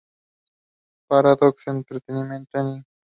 Paradox Entertainment Inc.